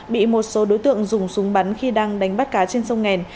bị một số đối tượng dùng súng bắn khi đang đánh bắt cá trên sông nghèn